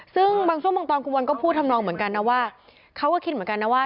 ซึ่งบางช่วงบางตอนคุณวันก็พูดทำนองเหมือนกันนะว่าเขาก็คิดเหมือนกันนะว่า